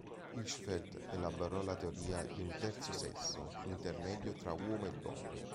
Hirschfeld elaborò la teoria di un terzo sesso "intermedio" tra uomo e donna.